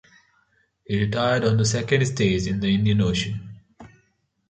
He retired on the second stage in the Indian Ocean.